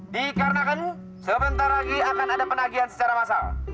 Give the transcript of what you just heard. dikarenakan sebentar lagi akan ada penagihan secara massal